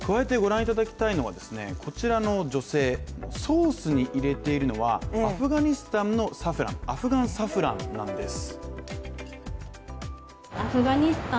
加えて、こちらの女性、ソースに入れているのはアフガニスタンのサフラン、アフガンサフランなんです。